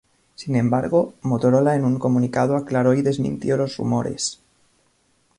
Sin embargo, Motorola en un comunicado aclaró y desmintió los rumores.